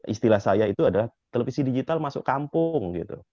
istilah saya itu adalah televisi digital masuk kampung gitu